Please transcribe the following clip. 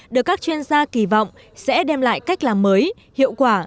được các chuyên gia kỳ vọng sẽ đem lại cách làm mới hiệu quả